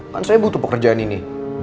kan saya butuh pekerjaan ini